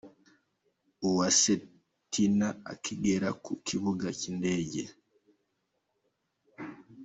Uwase Tina akigera ku kibuga cy'indege.